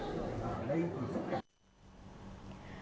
các giấy tờ liên quan